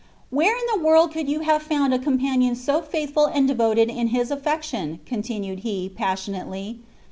"Whwa in all the world could yon have found a companion so faith U Bd devoted in his afleclion f" continued he, passionately.